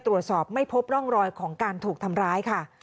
ตรวจสอบไม่พบร่องรอยของการถูกทำร้ายค่ะ